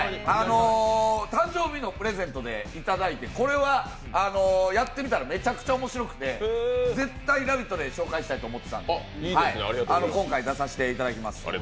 誕生日のプレゼントでいただいてこれはやってみたらめちゃくちゃ面白くて絶対、「ラヴィット！」で紹介したいと思ってたので、今回、出させていただきます。